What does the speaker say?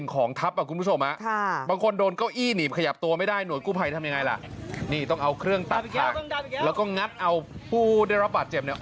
ก็มิ้นงัดเอาผู้ได้รับบาดเจ็บเนี่ย